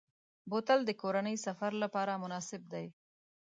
بوتل د کورنۍ سفر لپاره مناسب دی.